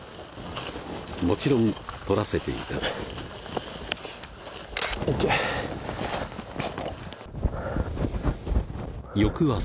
もちろん撮らせていただくＯＫ！